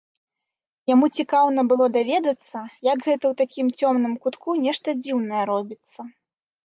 Яму цікаўна было даведацца, як гэта ў такім цёмным кутку нешта дзіўнае робіцца.